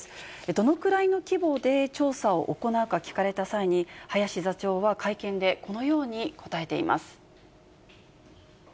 どのくらいの規模で調査を行うか聞かれた際に、林座長は会見でこのように答えています。